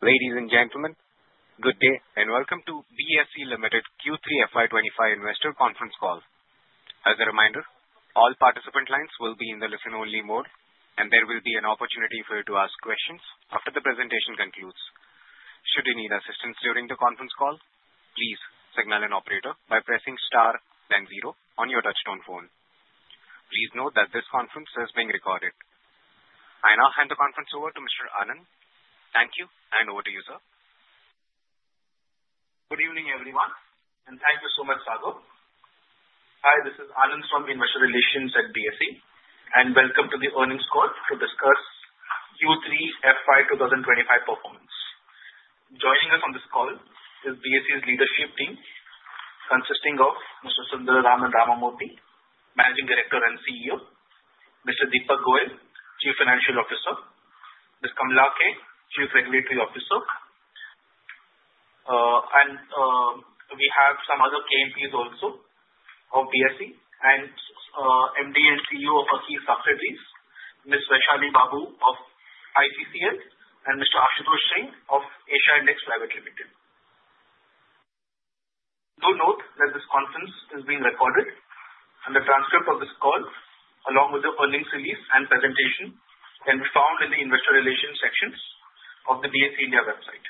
Ladies and gentlemen, good day and welcome to BSE Limited Q3 FY 2025 Investor Conference Call. As a reminder, all participant lines will be in the listen-only mode, and there will be an opportunity for you to ask questions after the presentation concludes. Should you need assistance during the conference call, please signal an operator by pressing star, then zero on your touch-tone phone. Please note that this conference is being recorded. I now hand the conference over to Mr. Alendal. Thank you, and over to you, sir. Good evening, everyone, and thank you so much, Sagar. Hi, this is Jostein Alendal from Investor Relations at BSE, and welcome to the earnings call to discuss Q3 FY 2025 performance. Joining us on this call is BSE's leadership team, consisting of Mr. Sundararaman Ramamurthy, Managing Director and CEO; Mr. Deepak Goel, Chief Financial Officer; Ms. Kamala K, Chief Regulatory Officer, and we have some other KMPs also of BSE, and MD and CEO of its subsidiaries, Ms. Vaishali Babu of ICCL, and Mr. Ashutosh Singh of Asia Index Private Limited. Do note that this conference is being recorded, and the transcript of this call, along with the earnings release and presentation, can be found in the Investor Relations sections of the BSE India website.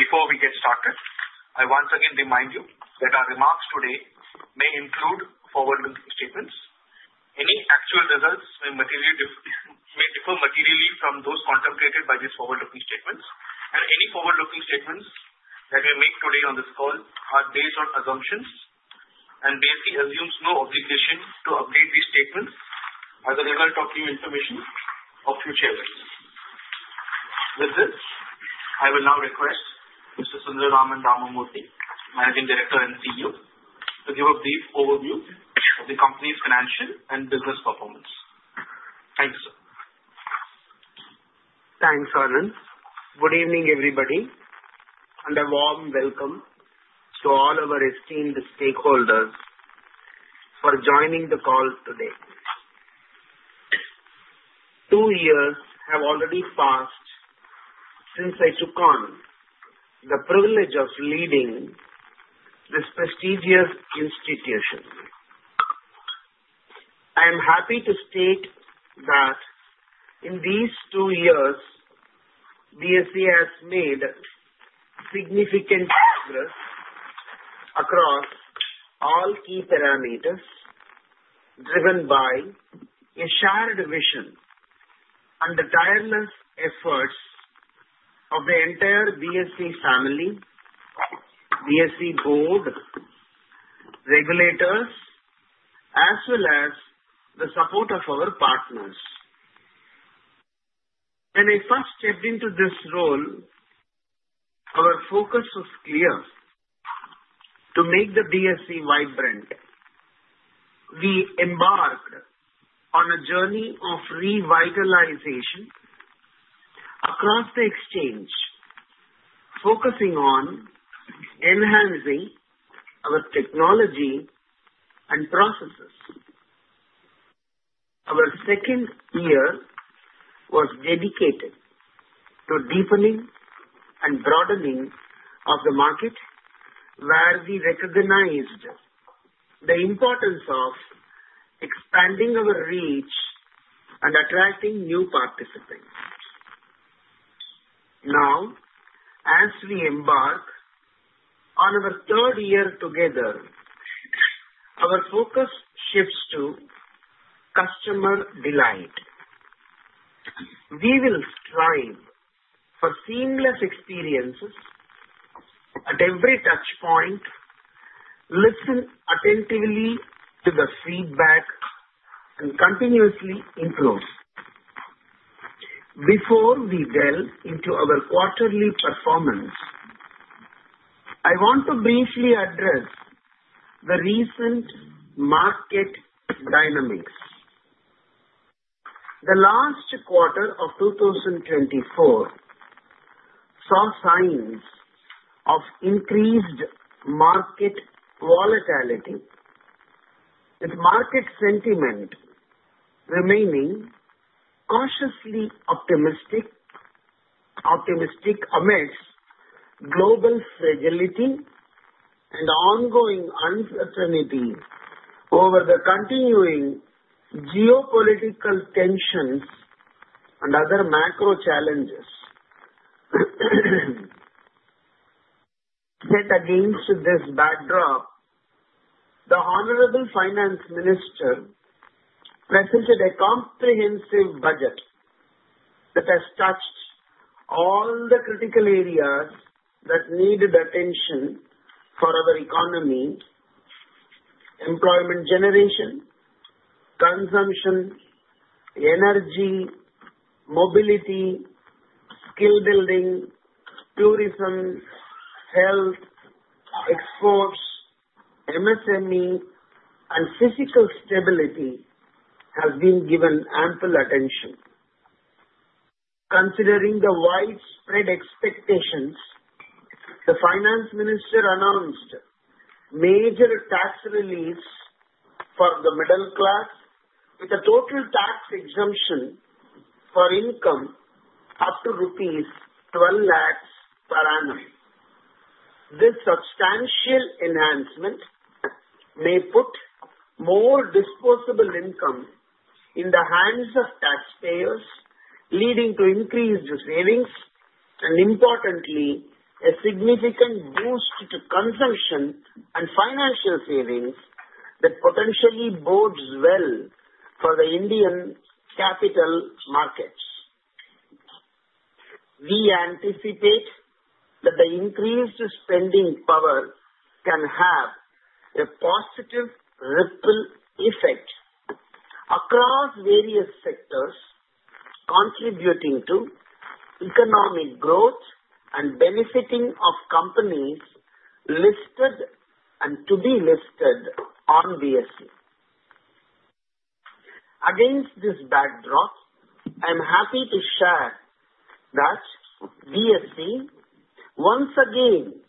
Before we get started, I once again remind you that our remarks today may include forward-looking statements. Any actual results may differ materially from those contemplated by these forward-looking statements, and any forward-looking statements that we make today on this call are based on assumptions and basically assume no obligation to update these statements as a result of new information or future events. With this, I will now request Mr. Sundararaman Ramamurthy, Managing Director and CEO, to give a brief overview of the company's financial and business performance. Thank you, sir. Thanks, Arun. Good evening, everybody, and a warm welcome to all our esteemed stakeholders for joining the call today. Two years have already passed since I took on the privilege of leading this prestigious institution. I am happy to state that in these two years, BSE has made significant progress across all key parameters, driven by a shared vision and the tireless efforts of the entire BSE family, BSE board, regulators, as well as the support of our partners. When I first stepped into this role, our focus was clear: to make the BSE vibrant. We embarked on a journey of revitalization across the exchange, focusing on enhancing our technology and processes. Our second year was dedicated to deepening and broadening of the market, where we recognized the importance of expanding our reach and attracting new participants. Now, as we embark on our third year together, our focus shifts to customer delight. We will strive for seamless experiences at every touchpoint, listen attentively to the feedback, and continuously improve. Before we delve into our quarterly performance, I want to briefly address the recent market dynamics. The last quarter of 2024 saw signs of increased market volatility, with market sentiment remaining cautiously optimistic amidst global fragility and ongoing uncertainty over the continuing geopolitical tensions and other macro challenges. Set against this backdrop, the Honorable Finance Minister presented a comprehensive budget that has touched all the critical areas that needed attention for our economy: employment generation, consumption, energy, mobility, skill building, tourism, health, exports, MSME, and fiscal stability have been given ample attention. Considering the widespread expectations, the Finance Minister announced major tax reliefs for the middle class, with a total tax exemption for income up to Rs. 12 lakhs per annum. This substantial enhancement may put more disposable income in the hands of taxpayers, leading to increased savings and, importantly, a significant boost to consumption and financial savings that potentially bodes well for the Indian capital markets. We anticipate that the increased spending power can have a positive ripple effect across various sectors, contributing to economic growth and benefiting companies listed and to be listed on BSE. Against this backdrop, I'm happy to share that BSE once again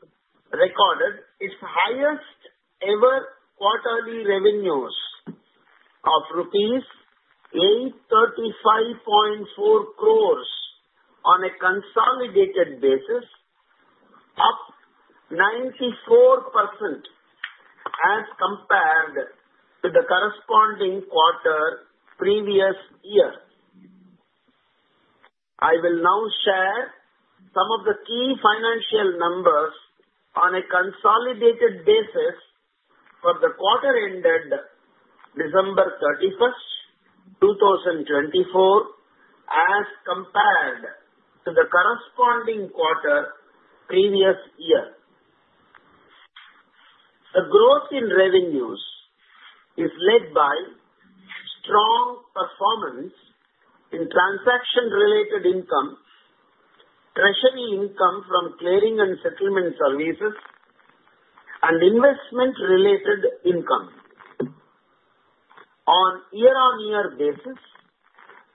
recorded its highest-ever quarterly revenues of rupees 835.4 crores on a consolidated basis, up 94% as compared to the corresponding quarter previous year. I will now share some of the key financial numbers on a consolidated basis for the quarter ended December 31, 2024, as compared to the corresponding quarter previous year. The growth in revenues is led by strong performance in transaction-related income, treasury income from clearing and settlement services, and investment-related income. On year-on-year basis,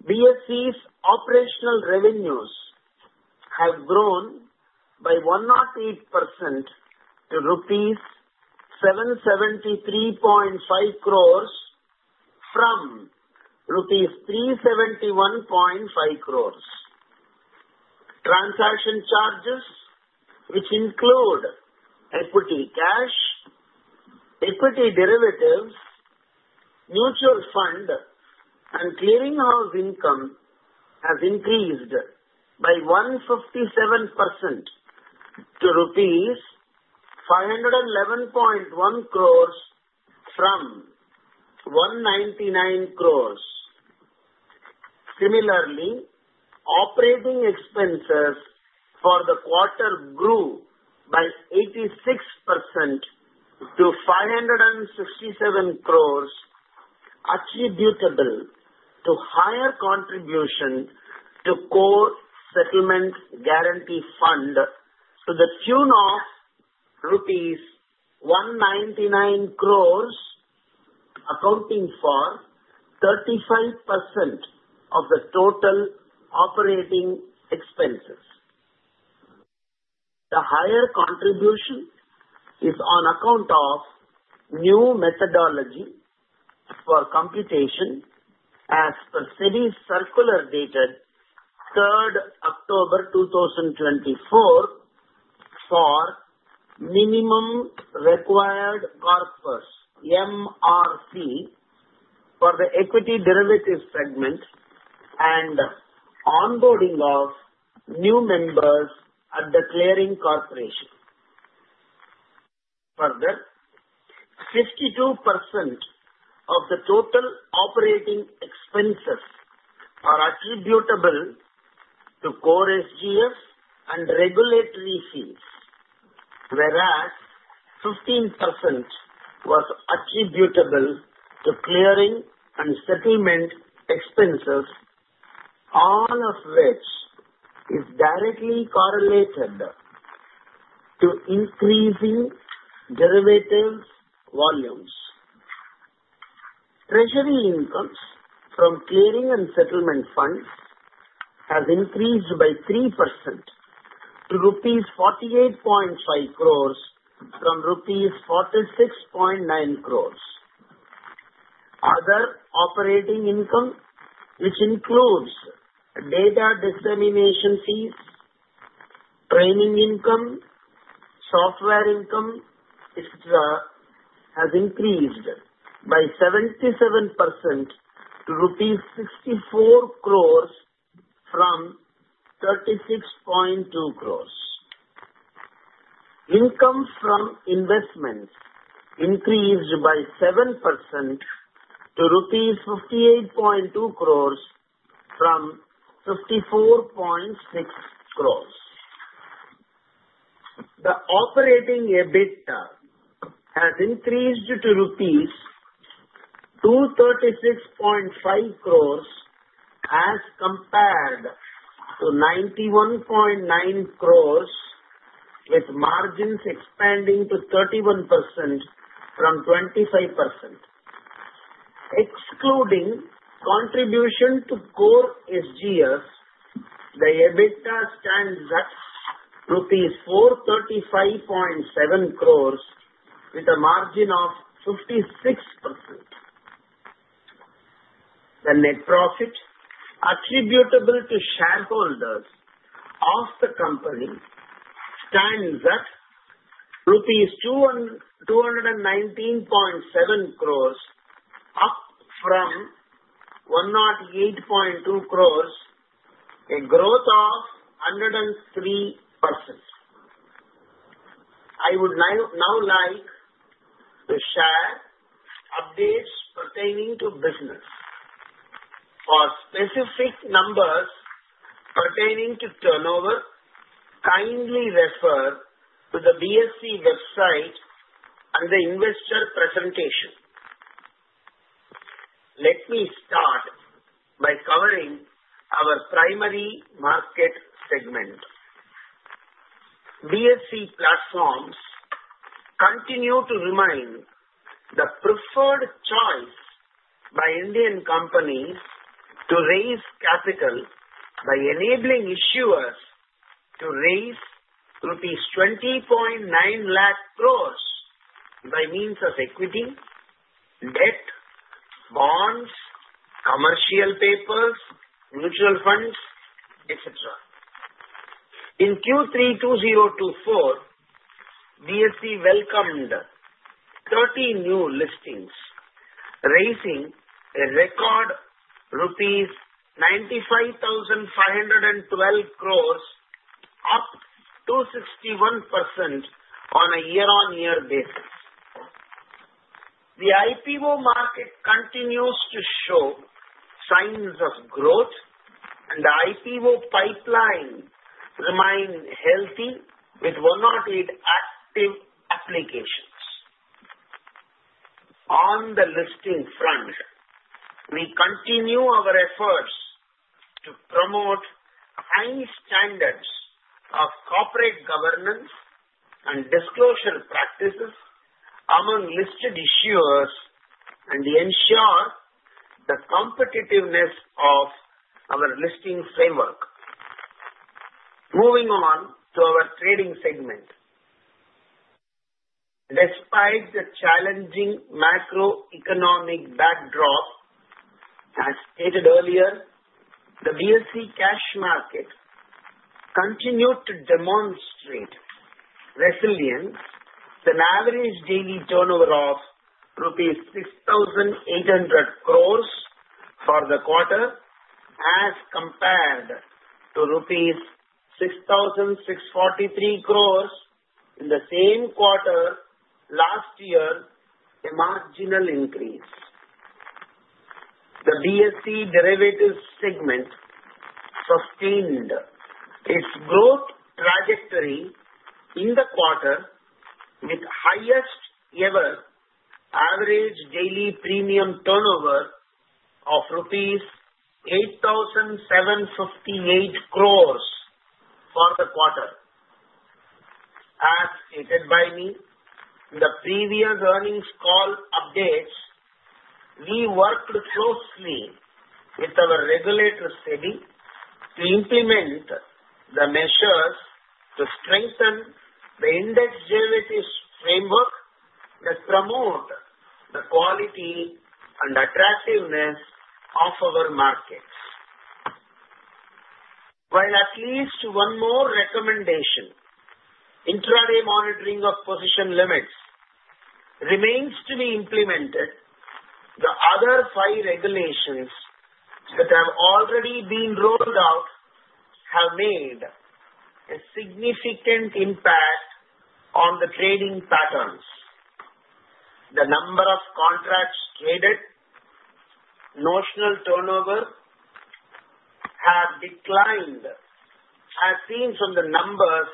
BSE's operational revenues have grown by 108% to Rs. 773.5 crores from Rs. 371.5 crores. Transaction charges, which include equity cash, equity derivatives, mutual fund, and clearing house income, have increased by 157% to Rs. 511.1 crores from 199 crores. Similarly, operating expenses for the quarter grew by 86% to 567 crores, attributable to higher contribution to the Core Settlement Guarantee Fund, to the tune of Rs. 199 crores, accounting for 35% of the total operating expenses. The higher contribution is on account of new methodology for computation, as per SEBI Circular dated October 3, 2024, for minimum required corpus, MRC, for the equity derivative segment and onboarding of new members at the clearing corporation. Further, 52% of the total operating expenses are attributable to Core SGF and regulatory fees, whereas 15% was attributable to clearing and settlement expenses, all of which is directly correlated to increasing derivatives volumes. Treasury incomes from clearing and settlement funds have increased by 3% to Rs. 48.5 crores from Rs. 46.9 crores. Other operating income, which includes data dissemination fees, training income, and software income, has increased by 77% to Rs. 64 crores from 36.2 crores. Income from investments increased by 7% to Rs. 58.2 crores from 54.6 crores. The operating EBITDA has increased to Rs. 236.5 crores, as compared to 91.9 crores, with margins expanding to 31% from 25%. Excluding contribution to Core SGF, the EBITDA stands at Rs. 435.7 crores, with a margin of 56%. The net profit attributable to shareholders of the company stands at Rs. 219.7 crores, up from 108.2 crores, a growth of 103%. I would now like to share updates pertaining to business. For specific numbers pertaining to turnover, kindly refer to the BSE website and the investor presentation. Let me start by covering our primary market segment. BSE platforms continue to remain the preferred choice by Indian companies to raise capital by enabling issuers to raise rupees 20.9 lakh crores by means of equity, debt, bonds, commercial papers, mutual funds, etc. In Q3 2024, BSE welcomed 30 new listings, raising a record rupees 95,512 crores, up 261% on a year-on-year basis. The IPO market continues to show signs of growth, and the IPO pipeline remains healthy, with 108 active applications. On the listing front, we continue our efforts to promote high standards of corporate governance and disclosure practices among listed issuers and ensure the competitiveness of our listing framework. Moving on to our trading segment. Despite the challenging macroeconomic backdrop, as stated earlier, the BSE cash market continued to demonstrate resilience. The average daily turnover of rupees 6,800 crores for the quarter, as compared to rupees 6,643 crores in the same quarter last year, a marginal increase. The BSE derivatives segment sustained its growth trajectory in the quarter, with the highest-ever average daily premium turnover of rupees 8,758 crores for the quarter. As stated by me in the previous earnings call updates, we worked closely with our regulatory committee to implement the measures to strengthen the index derivatives framework that promotes the quality and attractiveness of our markets. While at least one more recommendation, intraday monitoring of position limits, remains to be implemented, the other five regulations that have already been rolled out have made a significant impact on the trading patterns. The number of contracts traded, notional turnover, have declined, as seen from the numbers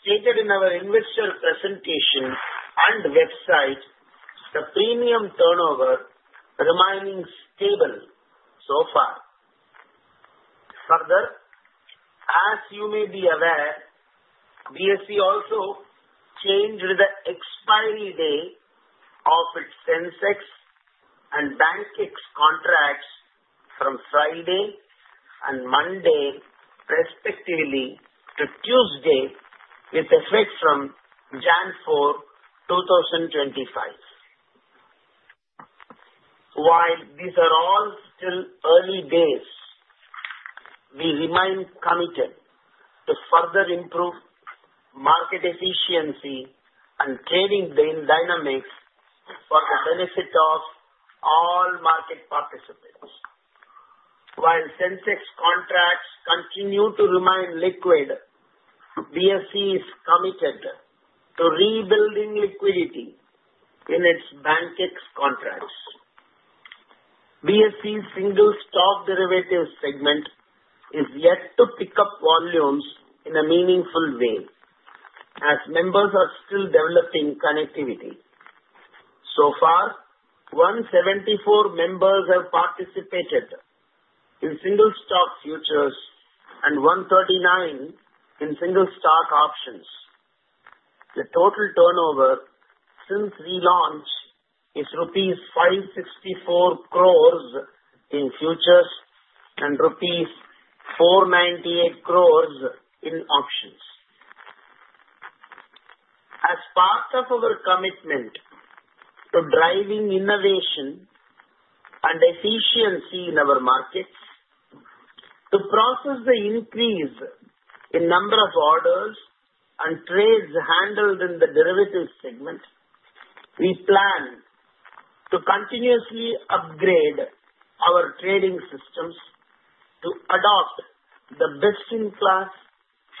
stated in our investor presentation and website, the premium turnover remaining stable so far. Further, as you may be aware, BSE also changed the expiry date of its Sensex and Bankex contracts from Friday and Monday, respectively, to Tuesday, with effect from January 4, 2025. While these are all still early days, we remain committed to further improve market efficiency and trading dynamics for the benefit of all market participants. While Sensex contracts continue to remain liquid, BSE is committed to rebuilding liquidity in its Bankex contracts. BSE's single stock derivatives segment is yet to pick up volumes in a meaningful way, as members are still developing connectivity. So far, 174 members have participated in single stock futures and 139 in single stock options. The total turnover since relaunch is Rs. 564 crores in futures and rupees 498 crores in options. As part of our commitment to driving innovation and efficiency in our markets, to process the increase in number of orders and trades handled in the derivatives segment, we plan to continuously upgrade our trading systems to adopt the best-in-class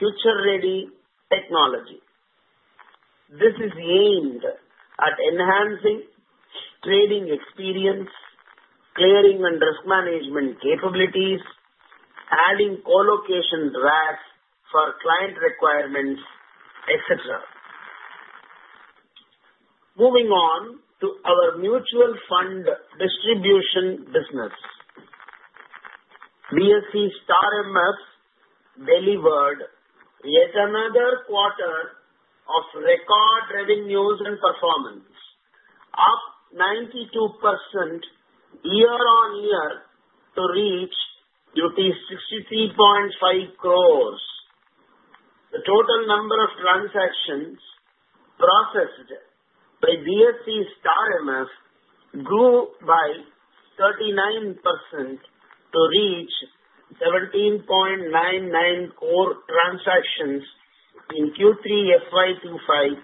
future-ready technology. This is aimed at enhancing trading experience, clearing and risk management capabilities, adding colocation racks for client requirements, etc. Moving on to our mutual fund distribution business. BSE StAR MF delivered yet another quarter of record revenues and performance, up 92% year-on-year to reach 63.5 crores. The total number of transactions processed by BSE StAR MF grew by 39% to reach 17.99 crore transactions in Q3 FY 2025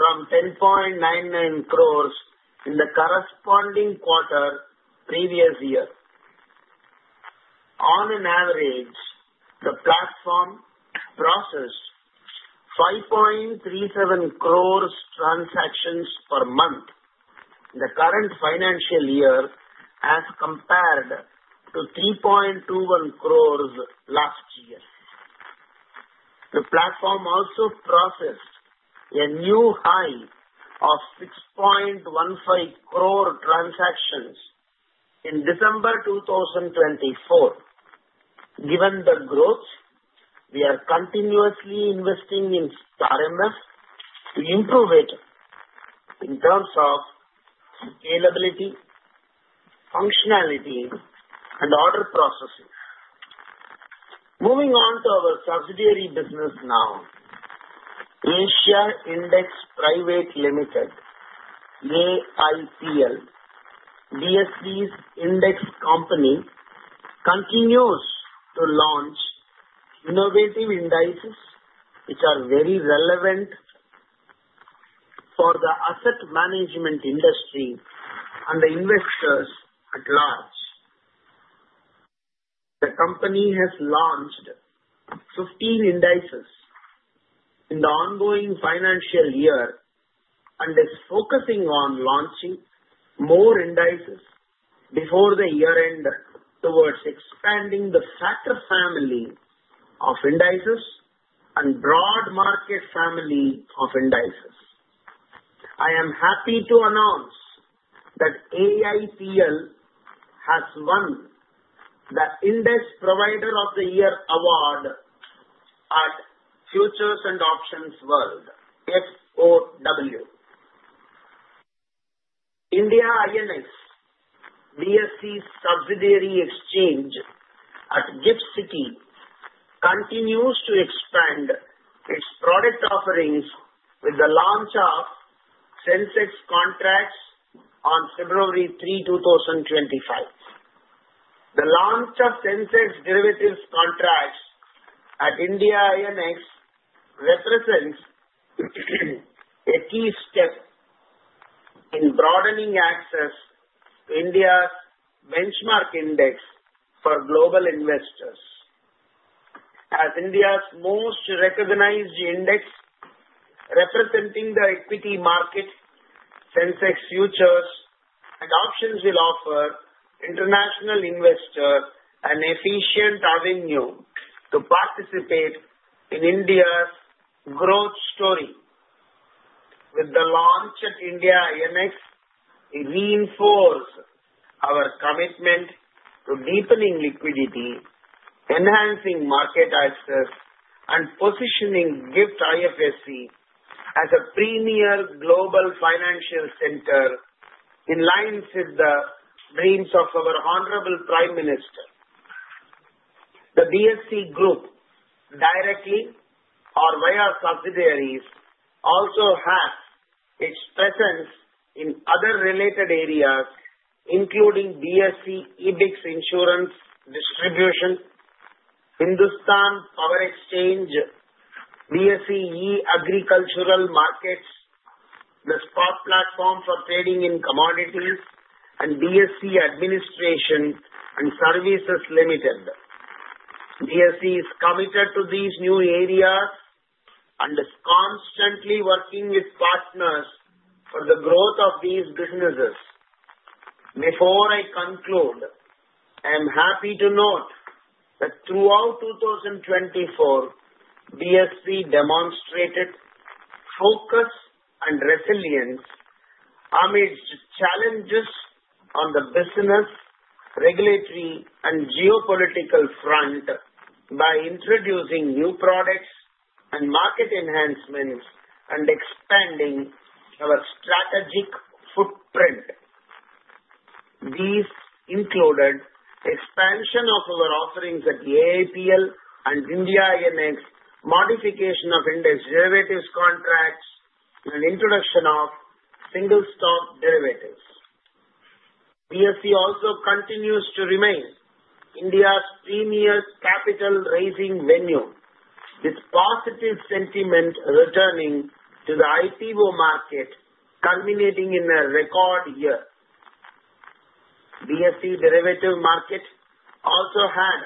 from 10.99 crores in the corresponding quarter previous year. On an average, the platform processed 5.37 crores transactions per month in the current financial year, as compared to 3.21 crores last year. The platform also processed a new high of 6.15 crore transactions in December 2024. Given the growth, we are continuously investing in StAR MF to improve it in terms of scalability, functionality, and order processing. Moving on to our subsidiary business now, Asia Index Private Limited, AIPL, BSE's index company, continues to launch innovative indices, which are very relevant for the asset management industry and the investors at large. The company has launched 15 indices in the ongoing financial year and is focusing on launching more indices before the year-end, towards expanding the Sector family of indices and broad market family of indices. I am happy to announce that AIPL has won the Index Provider of the Year award at Futures and Options World, FOW. India INX, BSE's subsidiary exchange at GIFT City, continues to expand its product offerings with the launch of Sensex contracts on February 3, 2025. The launch of Sensex derivatives contracts at India INX represents a key step in broadening access to India's benchmark index for global investors. As India's most recognized index, representing the equity market, Sensex futures and options will offer international investors an efficient avenue to participate in India's growth story. With the launch at India INX, we reinforce our commitment to deepening liquidity, enhancing market access, and positioning GIFT IFSC as a premier global financial center in line with the dreams of our Honorable Prime Minister. The BSE Group, directly or via subsidiaries, also has its presence in other related areas, including BSE Ebix Insurance Distribution, Hindustan Power Exchange, BSE e-Agricultural Markets, the Spot Platform for Trading in Commodities, and BSE Administration and Services Limited. BSE is committed to these new areas and is constantly working with partners for the growth of these businesses. Before I conclude, I am happy to note that throughout 2024, BSE demonstrated focus and resilience amidst challenges on the business, regulatory, and geopolitical front by introducing new products and market enhancements and expanding our strategic footprint. These included expansion of our offerings at AIPL and India INX, modification of index derivatives contracts, and introduction of single stock derivatives. BSE also continues to remain India's premier capital-raising venue, with positive sentiment returning to the IPO market, culminating in a record year. BSE derivative market also had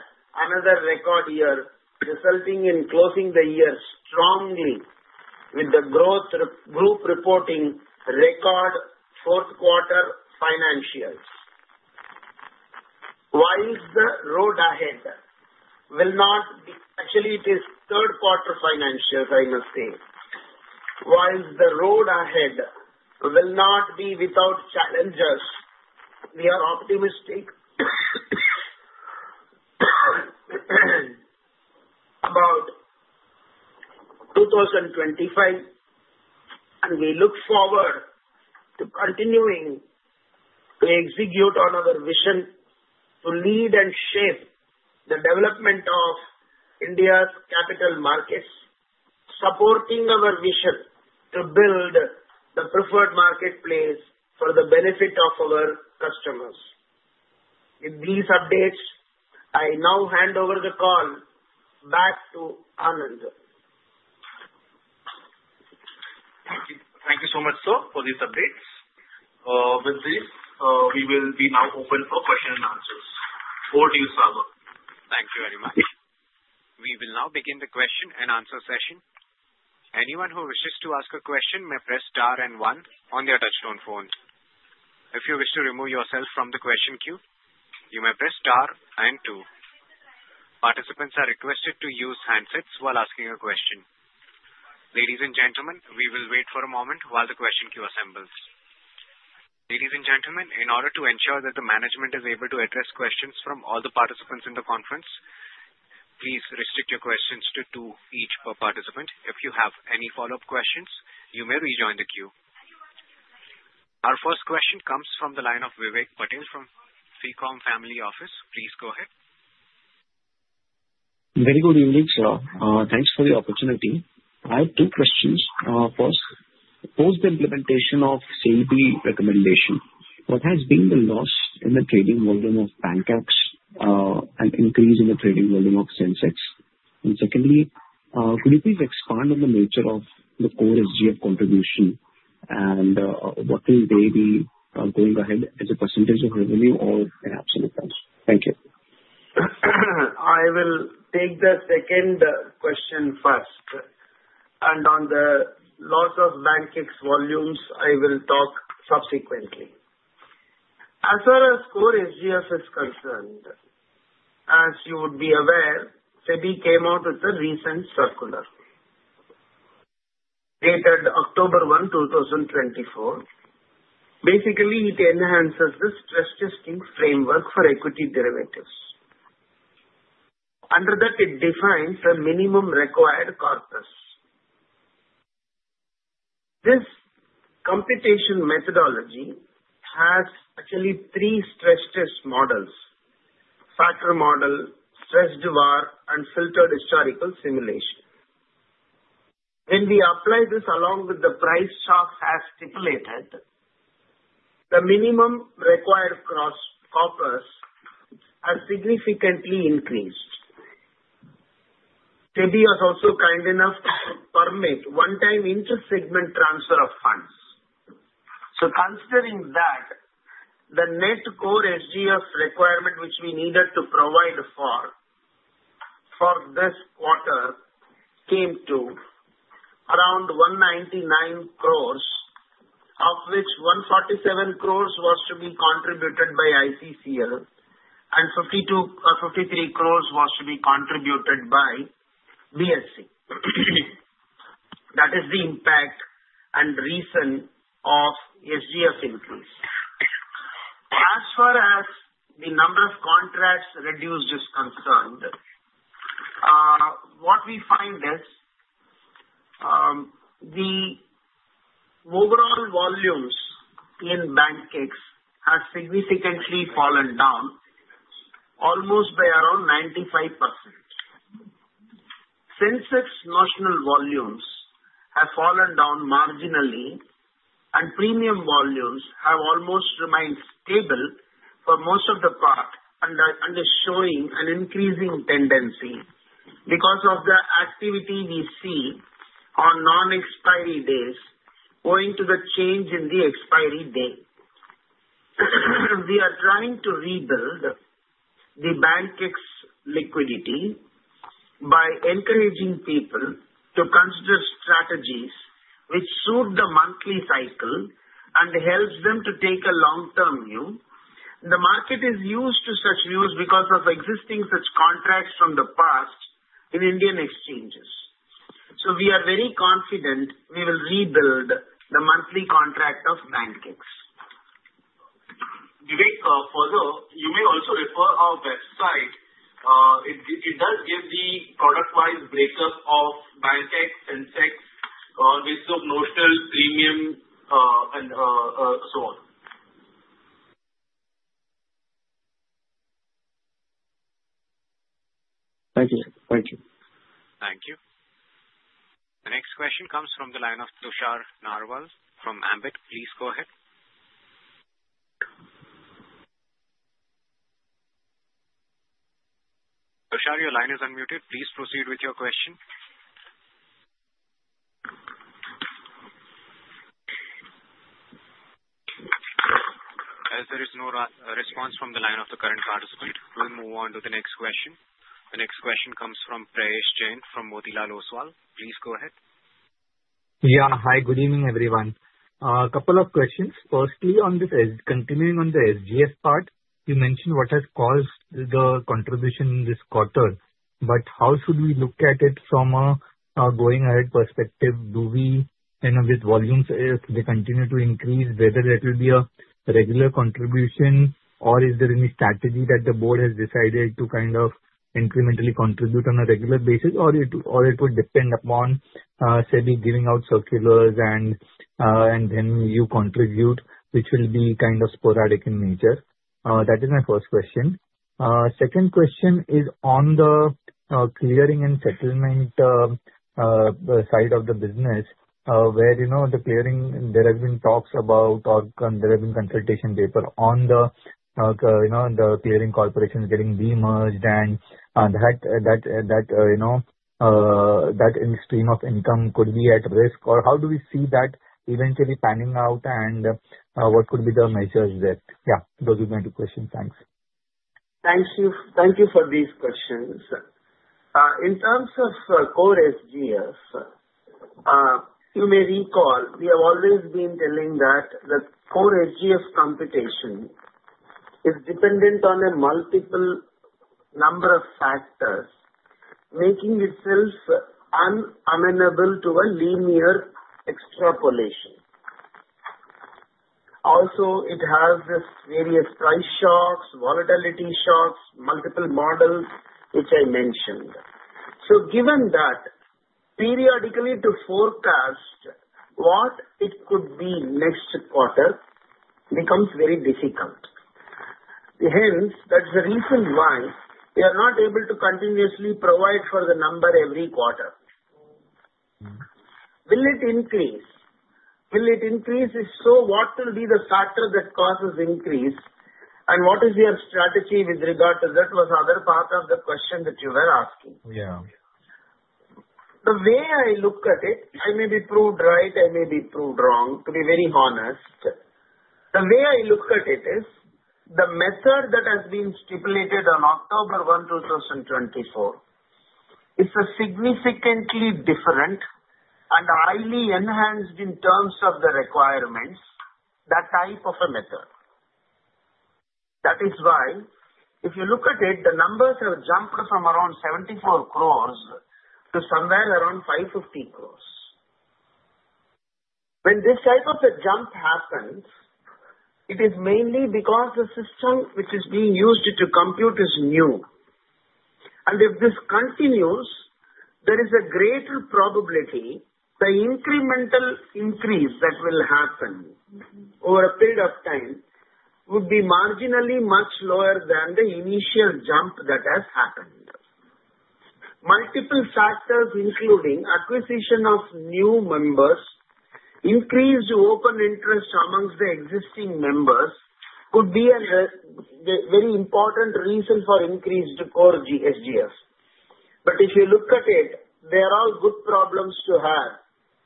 another record year, resulting in closing the year strongly, with the growth group reporting record fourth-quarter financials. While the road ahead will not be, actually, it is third-quarter financials, I must say, while the road ahead will not be without challenges, we are optimistic about 2025, and we look forward to continuing to execute on our vision to lead and shape the development of India's capital markets, supporting our vision to build the preferred marketplace for the benefit of our customers. With these updates, I now hand over the call back to Alendal. Thank you so much, sir, for these updates. With this, we will be now open for questions and answers. Over to you, Sagar. Thank you very much. We will now begin the question and answer session. Anyone who wishes to ask a question may press star and one on their touch-tone phones. If you wish to remove yourself from the question queue, you may press star and two. Participants are requested to use handsets while asking a question. Ladies and gentlemen, we will wait for a moment while the question queue assembles. Ladies and gentlemen, in order to ensure that the management is able to address questions from all the participants in the conference, please restrict your questions to two each per participant. If you have any follow-up questions, you may rejoin the queue. Our first question comes from the line of Vivek Patel from Sacom Family Office. Please go ahead. Very good evening, sir. Thanks for the opportunity. I have two questions. First, post-implementation of SEBI recommendation, what has been the loss in the trading volume of Bankex and increase in the trading volume of Sensex? And secondly, could you please expand on the nature of the Core SGF contribution and what will they be going ahead as a percentage of revenue or in absolute terms? Thank you. I will take the second question first, and on the loss of Bankex volumes, I will talk subsequently. As far as core SGF is concerned, as you would be aware, SEBI came out with a recent circular dated October 1, 2024. Basically, it enhances the stress testing framework for equity derivatives. Under that, it defines a minimum required corpus. This computation methodology has actually three stress test models: factor model, stressed VAR, and filtered historical simulation. When we apply this along with the price shocks as stipulated, the minimum required corpus has significantly increased. SEBI was also kind enough to permit one-time inter-segment transfer of funds. So considering that, the net core SGF requirement which we needed to provide for this quarter came to around 199 crores, of which 147 crores was to be contributed by ICCL and 53 crores was to be contributed by BSE. That is the impact and reason of SGF increase. As far as the number of contracts reduced is concerned, what we find is the overall volumes in Bankex have significantly fallen down, almost by around 95%. Sensex national volumes have fallen down marginally, and premium volumes have almost remained stable for most of the part, underscoring an increasing tendency because of the activity we see on non-expiry days owing to the change in the expiry date. We are trying to rebuild the Bankex liquidity by encouraging people to consider strategies which suit the monthly cycle and helps them to take a long-term view. The market is used to such views because of existing such contracts from the past in Indian exchanges. So we are very confident we will rebuild the monthly contract of Bankex. Vivek, further, you may also refer to our website. It does give the product-wise breakup of Bankex, Sensex, all this of notional premium, and so on. Thank you. Thank you. Thank you. The next question comes from the line of Tushar Narwal from Ambit. Please go ahead. Tushar, your line is unmuted. Please proceed with your question. As there is no response from the line of the current participant, we'll move on to the next question. The next question comes from Prayesh Jain from Motilal Oswal. Please go ahead. Yeah. Hi. Good evening, everyone. A couple of questions. Firstly, on this continuing on the SGF part, you mentioned what has caused the contribution in this quarter, but how should we look at it from a going ahead perspective? Do we, with volumes, if they continue to increase, whether that will be a regular contribution, or is there any strategy that the board has decided to kind of incrementally contribute on a regular basis, or it would depend upon SEBI giving out circulars and then you contribute, which will be kind of sporadic in nature? That is my first question. Second question is on the clearing and settlement side of the business, where the clearing, there have been talks about, or there have been consultation paper on the clearing corporations getting de-merged, and that income stream could be at risk, or how do we see that eventually panning out, and what could be the measures there? Yeah. Those would be my two questions. Thanks. Thank you. Thank you for these questions. In terms of core SGF, you may recall we have always been telling that the core SGF computation is dependent on a multiple number of factors, making itself unamenable to a linear extrapolation. Also, it has various price shocks, volatility shocks, multiple models, which I mentioned. So given that, periodically to forecast what it could be next quarter becomes very difficult. Hence, that's the reason why we are not able to continuously provide for the number every quarter. Will it increase? Will it increase? If so, what will be the factor that causes increase, and what is your strategy with regard to that was other part of the question that you were asking. Yeah. The way I look at it, I may be proved right, I may be proved wrong, to be very honest. The way I look at it is the method that has been stipulated on October 1, 2024, is significantly different and highly enhanced in terms of the requirements, that type of a method. That is why, if you look at it, the numbers have jumped from around 74 crores to somewhere around 550 crores. When this type of a jump happens, it is mainly because the system which is being used to compute is new. And if this continues, there is a greater probability the incremental increase that will happen over a period of time would be marginally much lower than the initial jump that has happened. Multiple factors, including acquisition of new members, increased open interest amongst the existing members, could be a very important reason for increased Core SGF. But if you look at it, they are all good problems to have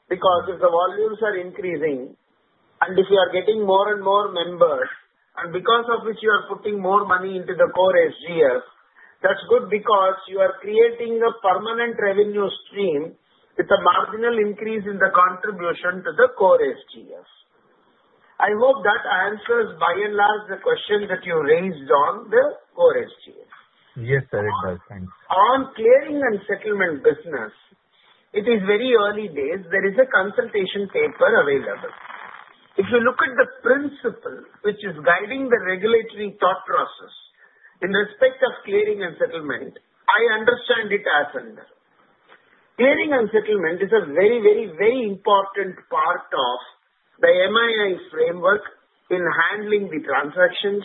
because if the volumes are increasing, and if you are getting more and more members, and because of which you are putting more money into the Core SGF, that's good because you are creating a permanent revenue stream with a marginal increase in the contribution to the Core SGF. I hope that answers, by and large, the question that you raised on the Core SGF. Yes, sir, it does. Thanks. On clearing and settlement business, it is very early days. There is a consultation paper available. If you look at the principle which is guiding the regulatory thought process in respect of clearing and settlement, I understand it as clearing and settlement is a very, very, very important part of the MII framework in handling the transactions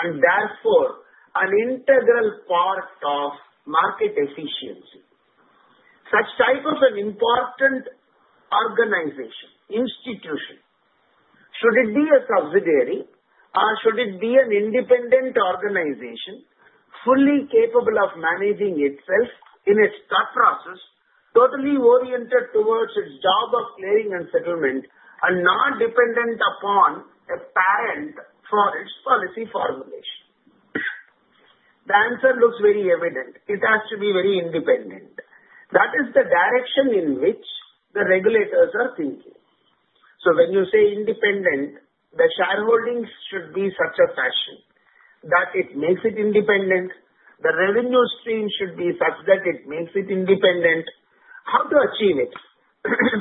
and therefore an integral part of market efficiency. Such type of an important organization, institution, should it be a subsidiary, or should it be an independent organization fully capable of managing itself in its thought process, totally oriented towards its job of clearing and settlement, and not dependent upon a parent for its policy formulation? The answer looks very evident. It has to be very independent. That is the direction in which the regulators are thinking. So when you say independent, the shareholdings should be such a fashion that it makes it independent. The revenue stream should be such that it makes it independent. How to achieve it?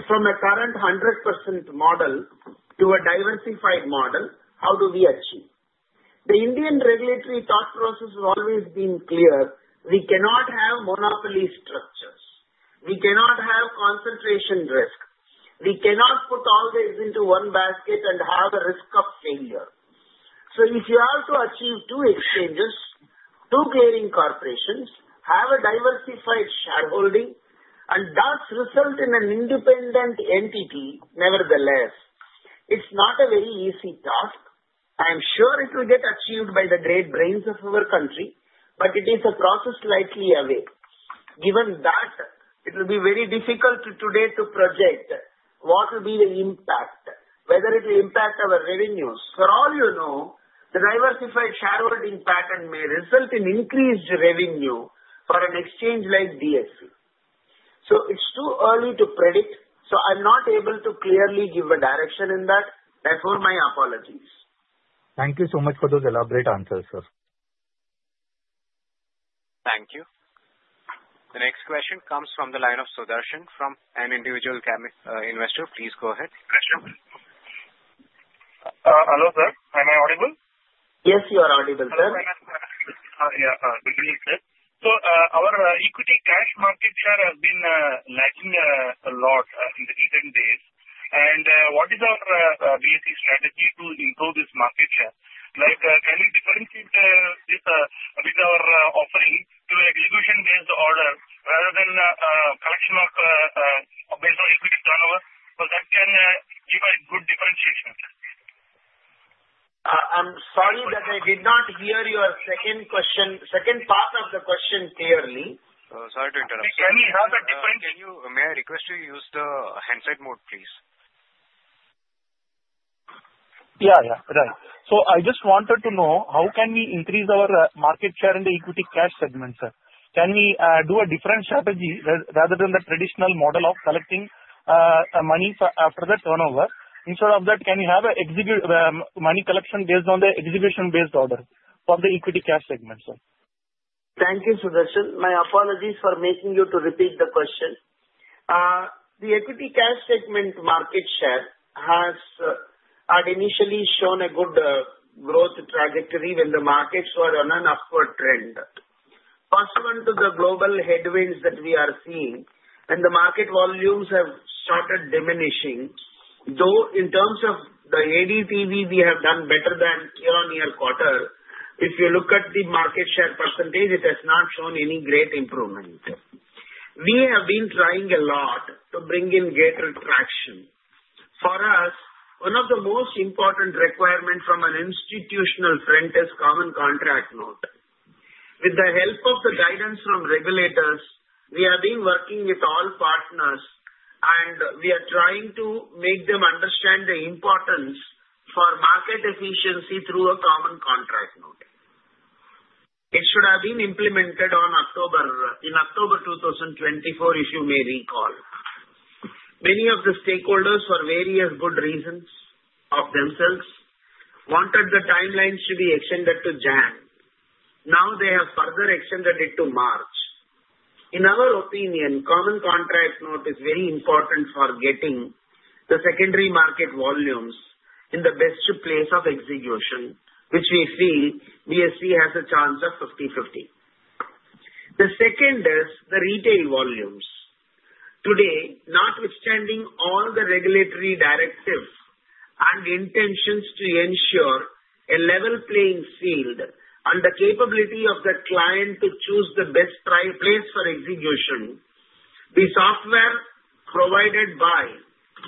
From a current 100% model to a diversified model, how do we achieve? The Indian regulatory thought process has always been clear. We cannot have monopoly structures. We cannot have concentration risk. We cannot put all this into one basket and have a risk of failure. So if you have to achieve two exchanges, two clearing corporations, have a diversified shareholding, and thus result in an independent entity, nevertheless, it's not a very easy task. I'm sure it will get achieved by the great brains of our country, but it is a process slightly away. Given that, it will be very difficult today to project what will be the impact, whether it will impact our revenues. For all you know, the diversified shareholding pattern may result in increased revenue for an exchange like BSE. So it's too early to predict. So I'm not able to clearly give a direction in that. Therefore, my apologies. Thank you so much for those elaborate answers, sir. Thank you. The next question comes from the line of Sudarshan from an individual investor. Please go ahead. Hello, sir. Am I audible? Yes, you are audible, sir. Okay. Good evening, sir. Our equity cash market share has been lagging a lot in the recent days. What is our basic strategy to improve this market share? Can we differentiate this with our offering to an execution-based order rather than a collection based on equity turnover? Because that can give a good differentiation. I'm sorry that I did not hear your second part of the question clearly. Sorry to interrupt. Can we have a different? May I request you use the hands-up mode, please? Yeah, yeah. Right. So I just wanted to know how can we increase our market share in the equity cash segment, sir? Can we do a different strategy rather than the traditional model of collecting money after the turnover? Instead of that, can we have a money collection based on the execution-based order for the equity cash segment, sir? Thank you, Sudarshan. My apologies for making you to repeat the question. The equity cash segment market share had initially shown a good growth trajectory when the markets were on an upward trend. First, due to the global headwinds that we are seeing, and the market volumes have started diminishing, though in terms of the ADTV, we have done better than year-on-year quarter, if you look at the market share percentage, it has not shown any great improvement. We have been trying a lot to bring in greater traction. For us, one of the most important requirements from an institutional front is common contract note. With the help of the guidance from regulators, we have been working with all partners, and we are trying to make them understand the importance for market efficiency through a common contract note. It should have been implemented in October 2024, if you may recall. Many of the stakeholders, for various good reasons of themselves, wanted the timelines to be extended to January. Now, they have further extended it to March. In our opinion, common contract note is very important for getting the secondary market volumes in the best place of execution, which we feel BSE has a chance of 50/50. The second is the retail volumes. Today, notwithstanding all the regulatory directives and intentions to ensure a level playing field and the capability of the client to choose the best place for execution, the software provided by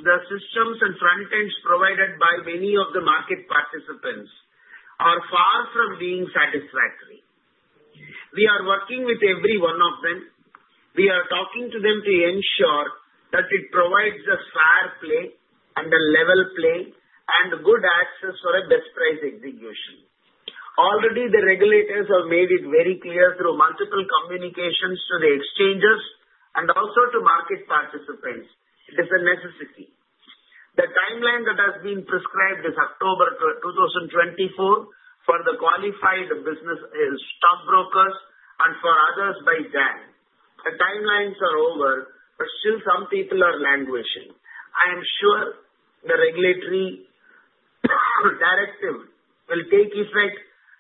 the systems and front-ends provided by many of the market participants are far from being satisfactory. We are working with every one of them. We are talking to them to ensure that it provides a fair play and a level play and good access for a best price execution. Already, the regulators have made it very clear through multiple communications to the exchanges and also to market participants. It is a necessity. The timeline that has been prescribed is October 2024 for the qualified business stockbrokers and for others by January. The timelines are over, but still some people are languishing. I am sure the regulatory directive will take effect,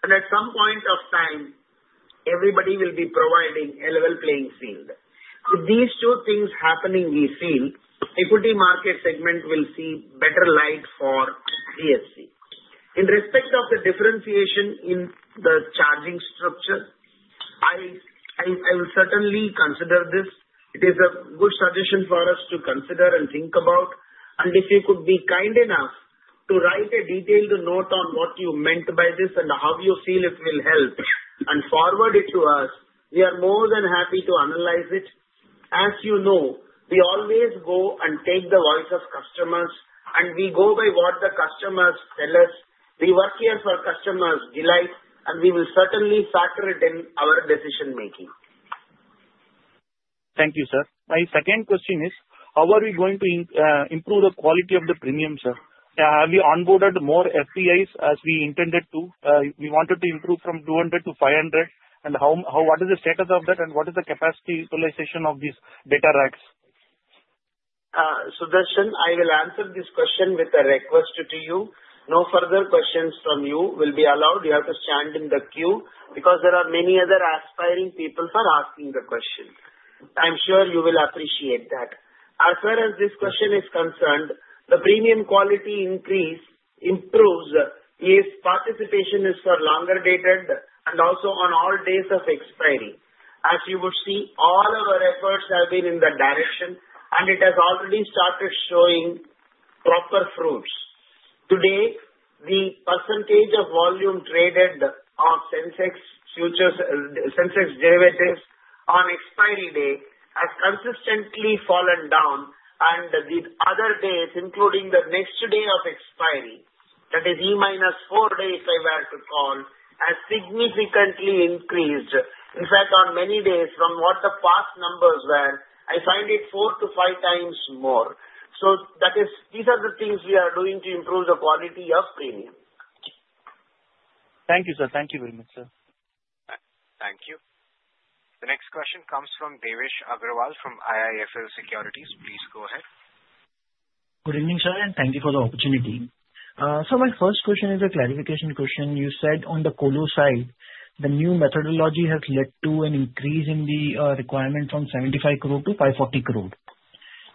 and at some point of time, everybody will be providing a level playing field. With these two things happening, we feel equity market segment will see better light for BSE. In respect of the differentiation in the charging structure, I will certainly consider this. It is a good suggestion for us to consider and think about. And if you could be kind enough to write a detailed note on what you meant by this and how you feel it will help and forward it to us, we are more than happy to analyze it. As you know, we always go and take the voice of customers, and we go by what the customers tell us. We work here for customers' delight, and we will certainly factor it in our decision-making. Thank you, sir. My second question is, how are we going to improve the quality of the premiums, sir? Have we onboarded more FPIs as we intended to? We wanted to improve from 200-500. And what is the status of that, and what is the capacity utilization of these data racks? Sudarshan, I will answer this question with a request to you. No further questions from you will be allowed. You have to stand in the queue because there are many other aspiring people who are asking the question. I'm sure you will appreciate that. As far as this question is concerned, the premium quality increase improves if participation is for longer dated and also on all days of expiry. As you would see, all of our efforts have been in that direction, and it has already started showing proper fruits. Today, the percentage of volume traded of Sensex derivatives on expiry day has consistently fallen down, and the other days, including the next day of expiry, that is E minus four days if I were to call, has significantly increased. In fact, on many days from what the past numbers were, I find it four to five times more. So these are the things we are doing to improve the quality of premiums. Thank you, sir. Thank you very much, sir. Thank you. The next question comes from Devesh Agarwal from IIFL Securities. Please go ahead. Good evening, sir, and thank you for the opportunity. So my first question is a clarification question. You said on the colo side, the new methodology has led to an increase in the requirement from 75 crore to 540 crore.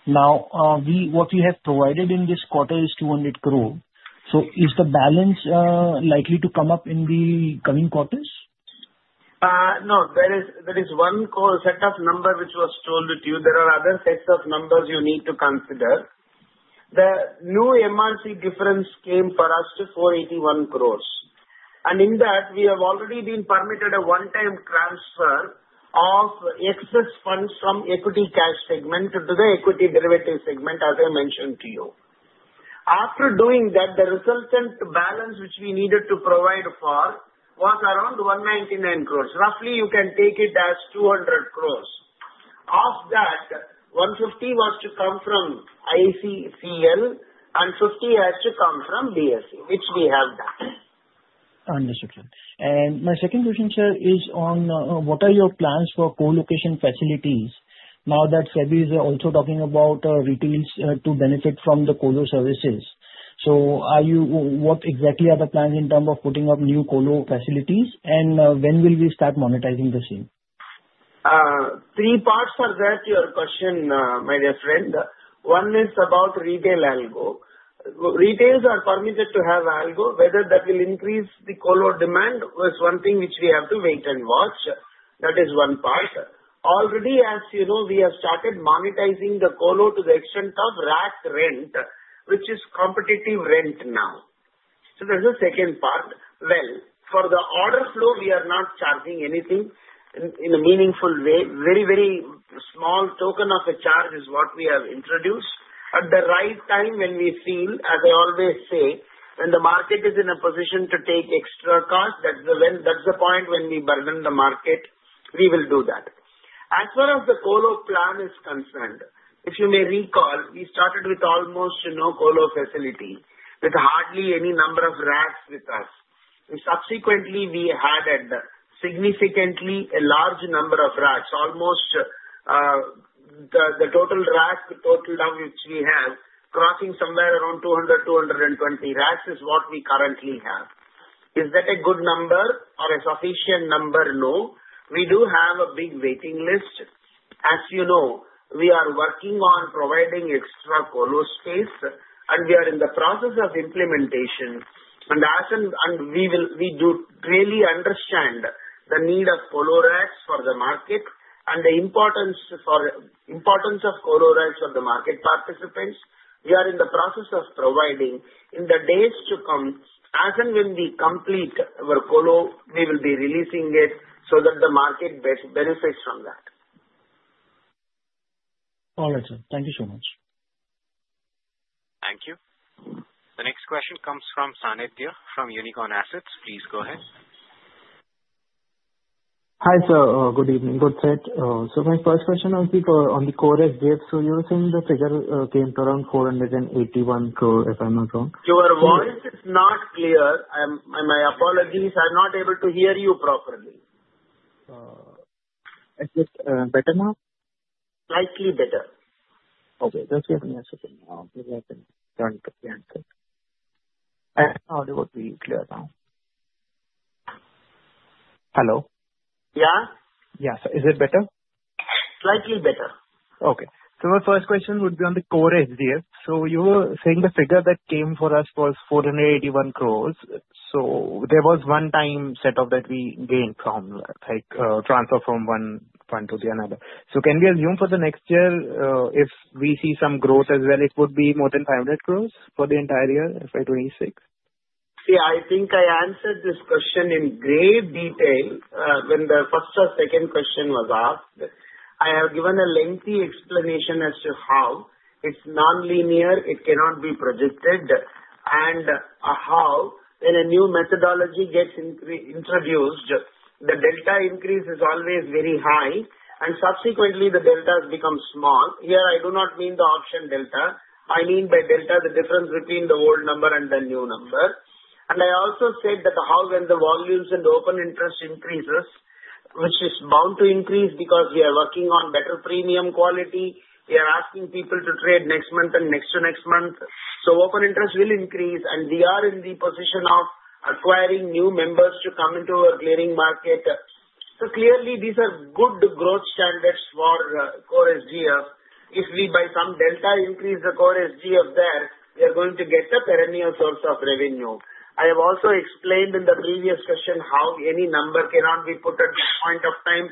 Now, what we have provided in this quarter is 200 crore. So is the balance likely to come up in the coming quarters? No. There is one set of numbers which was told to you. There are other sets of numbers you need to consider. The new MRC difference came for us to 481 crores. And in that, we have already been permitted a one-time transfer of excess funds from equity cash segment to the equity derivative segment, as I mentioned to you. After doing that, the resultant balance which we needed to provide for was around 199 crores. Roughly, you can take it as 200 crores. Of that, 150 crores was to come from ICCL, and 50 crores has to come from BSE, which we have done. Understood, sir. And my second question, sir, is on what are your plans for colocation facilities now that SEBI is also talking about retail to benefit from the colo services? So what exactly are the plans in terms of putting up new colo facilities, and when will we start monetizing the same? Three parts are there to your question, my dear friend. One is about retail algo. Retailers are permitted to have algo. Whether that will increase the colo demand is one thing which we have to wait and watch. That is one part. Already, as you know, we have started monetizing the colo to the extent of rack rent, which is competitive rent now. So there's a second part. Well, for the order flow, we are not charging anything in a meaningful way. Very, very small token of a charge is what we have introduced. At the right time, when we feel, as I always say, when the market is in a position to take extra cost, that's the point when we burden the market, we will do that. As far as the colo plan is concerned, if you may recall, we started with almost no colo facility with hardly any number of racks with us. Subsequently, we added significantly a large number of racks. Almost the total racks totaled out which we have crossing somewhere around 200-220 racks is what we currently have. Is that a good number or a sufficient number? No. We do have a big waiting list. As you know, we are working on providing extra colo space, and we are in the process of implementation. We do clearly understand the need of colo racks for the market and the importance of colo racks for the market participants. We are in the process of providing in the days to come. As and when we complete our colo, we will be releasing it so that the market benefits from that. All right, sir. Thank you so much. Thank you. The next question comes from Sanit Dheer from Unicorn Assets. Please go ahead. Hi, sir. Good evening. So my first question on the Colo usage, so you were saying the figure came to around 481 crore if I'm not wrong. Your voice is not clear. My apologies. I'm not able to hear you properly. Is it better now? Slightly better. Okay. That's good. Okay. Now it would be clear now. Hello? Yeah? Yes. Is it better? Slightly better. Okay. So my first question would be on the colo expansion. So you were saying the figure that came for us was 481 crores. So there was one-time setup that we gained from transfer from one fund to another. So can we assume for the next year if we see some growth as well, it would be more than 500 crores for the entire year if I do any sales? See, I think I answered this question in great detail when the first or second question was asked. I have given a lengthy explanation as to how it's non-linear, it cannot be predicted, and how when a new methodology gets introduced, the delta increase is always very high, and subsequently, the deltas become small. Here, I do not mean the option delta. I mean by delta, the difference between the old number and the new number. And I also said that how when the volumes and open interest increases, which is bound to increase because we are working on better premium quality, we are asking people to trade next month and next to next month. So open interest will increase, and we are in the position of acquiring new members to come into our clearing market. So clearly, these are good growth standards for Colo exchange. If we by some delta increase the colo exchange there, we are going to get a perennial source of revenue. I have also explained in the previous question how any number cannot be put at this point of time,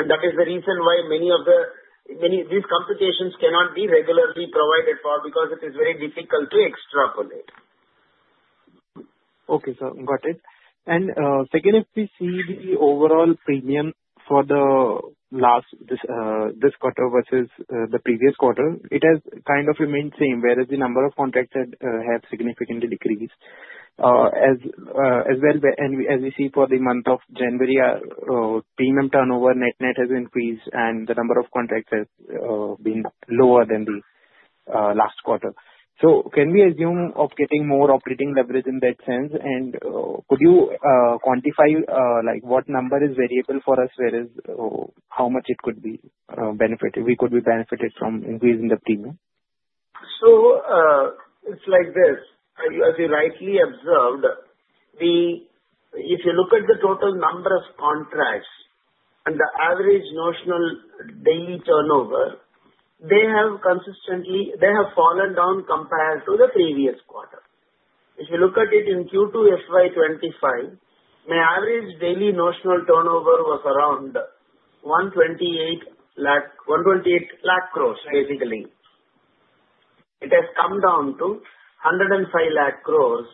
and that is the reason why many of these computations cannot be regularly provided for because it is very difficult to extrapolate. Okay, sir. Got it. And second, if we see the overall premium for the last quarter versus the previous quarter, it has kind of remained same, whereas the number of contracts have significantly decreased. As well, as we see for the month of January, premium turnover, net net has increased, and the number of contracts has been lower than the last quarter. So can we assume of getting more operating leverage in that sense? And could you quantify what number is variable for us, whereas how much it could be benefited? We could be benefited from increasing the premium? So it's like this. As you rightly observed, if you look at the total number of contracts and the average notional daily turnover, they have fallen down compared to the previous quarter. If you look at it in Q2 FY 2025, my average daily notional turnover was around 128 lakh crores, basically. It has come down to 105 lakh crores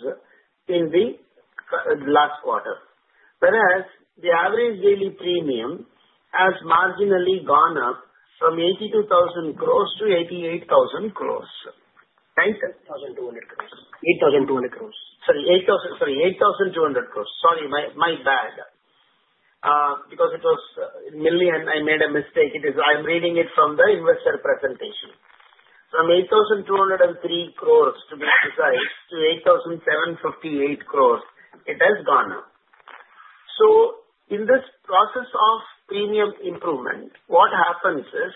in the last quarter. Whereas the average daily premium has marginally gone up from 82,000 crores-88,000 crores. Right? 8,200 crores. 8,200 crores. Sorry. Sorry. 8,200 crores. Sorry. My bad. Because it was a million, I made a mistake. I'm reading it from the investor presentation. From 8,203 crores, to be precise, to 8,758 crores, it has gone up. So in this process of premium improvement, what happens is,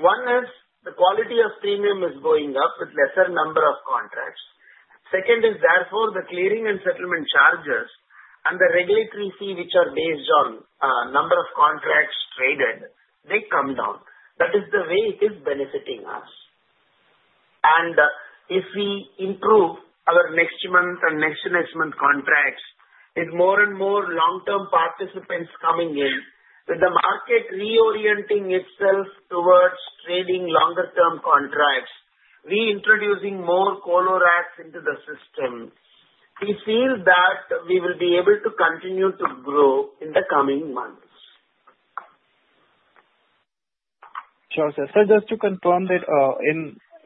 one is the quality of premium is going up with lesser number of contracts. Second is, therefore, the clearing and settlement charges and the regulatory fee which are based on number of contracts traded, they come down. That is the way it is benefiting us. And if we improve our next month and next to next month contracts with more and more long-term participants coming in, with the market reorienting itself towards trading longer-term contracts, reintroducing more colo racks into the system, we feel that we will be able to continue to grow in the coming months. Sure, sir. So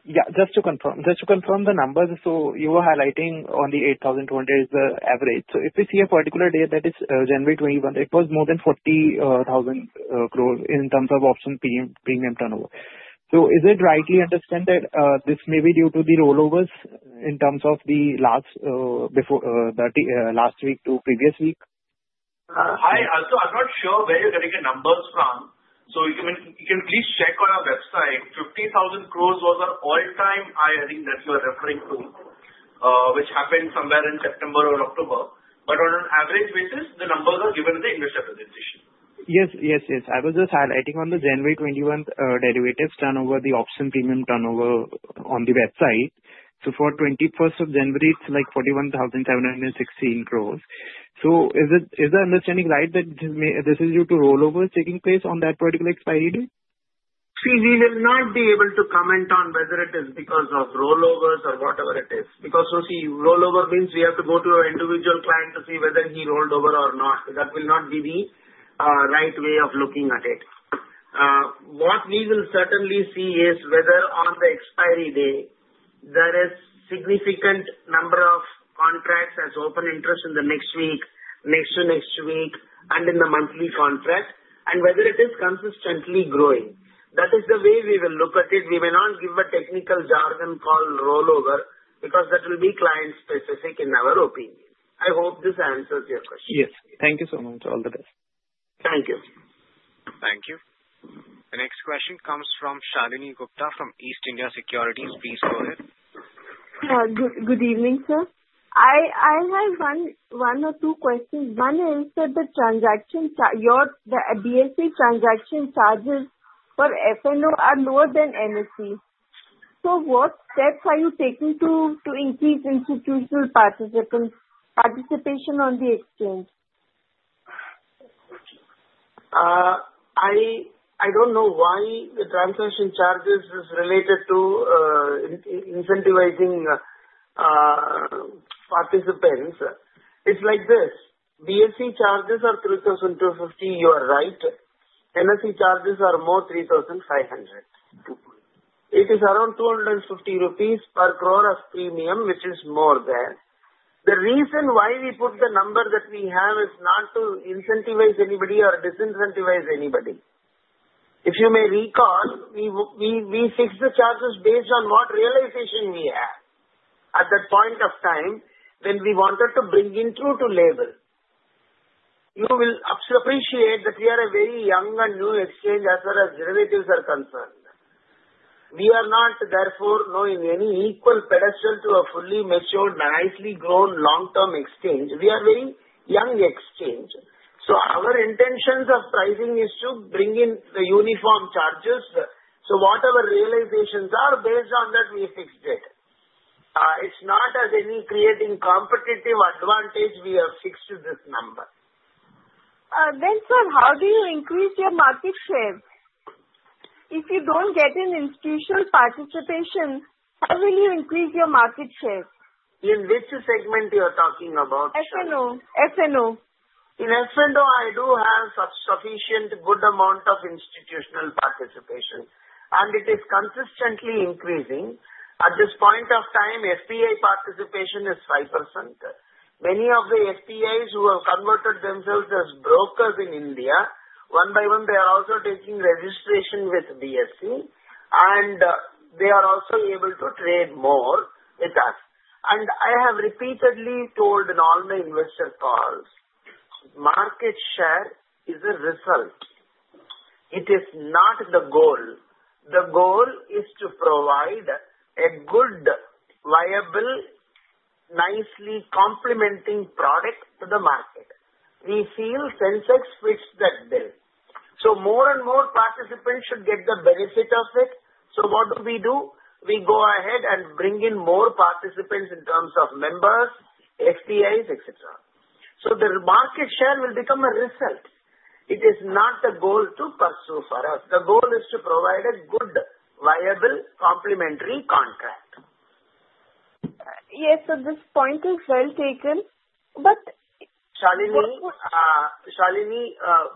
just to confirm the numbers. So you were highlighting on the 8,020 is the average. So if we see a particular date that is January 21, it was more than 40,000 crores in terms of option premium turnover. So is it rightly understood that this may be due to the rollovers in terms of the last week to previous week? Hi. So I'm not sure where you're getting the numbers from. So you can please check on our website. 50,000 crores was our all-time high, I think, that you are referring to, which happened somewhere in September or October. But on an average basis, the numbers are given in the investor presentation. Yes, yes, yes. I was just highlighting on the January 21 derivatives turnover, the option premium turnover on the website. So for 21st of January, it's like 41,716 crores. So is the understanding right that this is due to rollovers taking place on that particular expiry date? See, we will not be able to comment on whether it is because of rollovers or whatever it is. Because see, rollover means we have to go to our individual client to see whether he rolled over or not. That will not be the right way of looking at it. What we will certainly see is whether on the expiry day, there is a significant number of contracts as open interest in the next week, next to next week, and in the monthly contract, and whether it is consistently growing. That is the way we will look at it. We may not give a technical jargon called rollover because that will be client-specific in our opinion. I hope this answers your question. Yes. Thank you so much. All the best. Thank you. Thank you. The next question comes from Shalini Gupta from East India Securities. Please go ahead. Good evening, sir. I have one or two questions. One is that the BSE transaction charges for F&O are lower than NSE. So what steps are you taking to increase institutional participation on the exchange? I don't know why the transaction charges are related to incentivizing participants. It's like this. BSE charges are 3,250. You are right. NSE charges are more 3,500. It is around 250 rupees per crore of premium, which is more there. The reason why we put the number that we have is not to incentivize anybody or disincentivize anybody. If you may recall, we fixed the charges based on what realization we had at that point of time when we wanted to bring in true to label. You will appreciate that we are a very young and new exchange as far as derivatives are concerned. We are not, therefore, knowing any equal pedestal to a fully matured, nicely grown long-term exchange. We are a very young exchange. So our intentions of pricing is to bring in the uniform charges. So whatever realizations are based on that, we fixed it. It's not as easy creating competitive advantage. We have fixed this number. Then, sir, how do you increase your market share? If you don't get an institutional participation, how will you increase your market share? In which segment you are talking about, sir? F&O. F&O. In F&O, I do have sufficient good amount of institutional participation, and it is consistently increasing. At this point of time, FPI participation is 5%. Many of the FPIs who have converted themselves as brokers in India, one by one, they are also taking registration with BSE, and they are also able to trade more with us, and I have repeatedly told in all my investor calls, market share is a result. It is not the goal. The goal is to provide a good, viable, nicely complementing product to the market. We feel Sensex fits that bill, so more and more participants should get the benefit of it, so what do we do? We go ahead and bring in more participants in terms of members, FPIs, etc., so the market share will become a result. It is not the goal to pursue for us. The goal is to provide a good, viable, complementary contract. Yes. So this point is well taken. But. Shalini,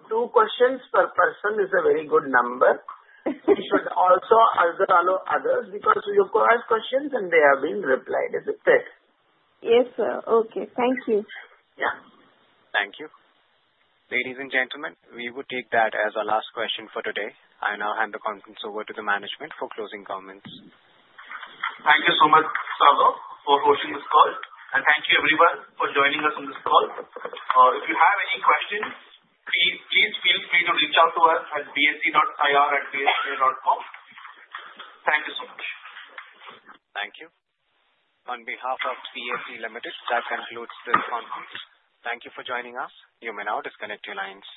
two questions per person is a very good number. You should also ask all of others because you asked questions and they have been replied, as I said. Yes, sir. Okay. Thank you. Yeah. Thank you. Ladies and gentlemen, we will take that as our last question for today. I now hand the conference over to the management for closing comments. Thank you so much, Sagar, for hosting this call. And thank you, everyone, for joining us in this call. If you have any questions, please feel free to reach out to us at bse.ir@bse.com. Thank you so much. Thank you. On behalf of BSE Limited, that concludes this conference. Thank you for joining us. You may now disconnect your lines.